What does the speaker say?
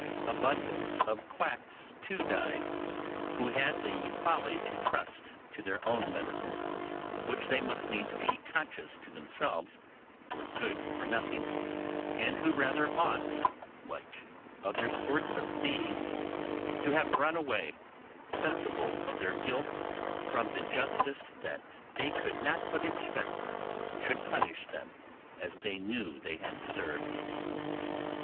Abundance of quacks too died, who had the folly to trust to their own medicines, which they must needs be conscious to themselves were good for nothing, and who rather ought, like other sorts of thieves, to have run away, sensible of their guilt, from the justice that they could not but expect should punish them as they knew they had deserved.